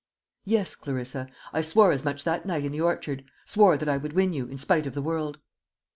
"Yes, Clarissa. I swore as much that night in the orchard swore that I would win you, in spite of the world."